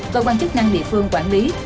và quan chức năng địa phương quản lý